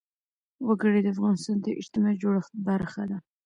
وګړي د افغانستان د اجتماعي جوړښت برخه ده.